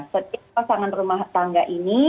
setiap pasangan rumah tangga ini